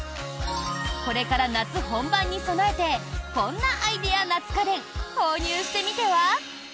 これから夏本番に備えてこんなアイデア夏家電購入してみては？